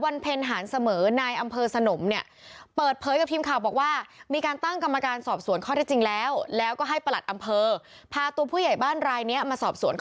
วันเพลหารเสมอนายอำเภอสนม